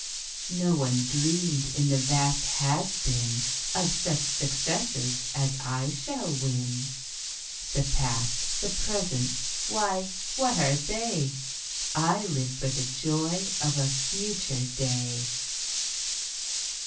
"No one dreamed, in the vast Has Been, Of such successes as I shall win. "The past, the present why, what are they? I live for the joy of a future day."